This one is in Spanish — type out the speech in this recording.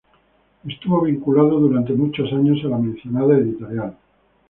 Estuvo vinculado durante muchos años a la mencionada editorial.